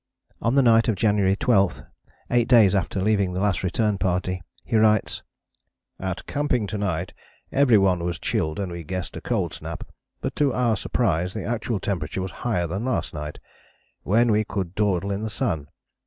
On the night of January 12, eight days after leaving the Last Return Party, he writes: "At camping to night every one was chilled and we guessed a cold snap, but to our surprise the actual temperature was higher than last night, when we could dawdle in the sun.